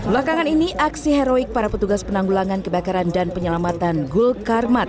lepas ini aksi heroik para petugas penanggulangan kebakaran dan penyelamatan gul karmat